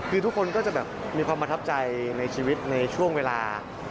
คือทุกคนก็จะแบบมีความประทับใจในชีวิตในช่วงเวลา